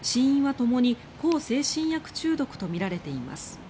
ともに向精神薬中毒とみられています。